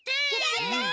やった！